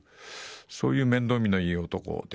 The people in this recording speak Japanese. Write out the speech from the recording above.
そういう面倒見のいい男で。